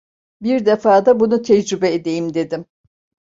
Bir defa da bunu tecrübe edeyim dedim.